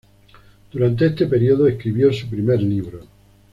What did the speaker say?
Durante este periodo escribió su primer libro.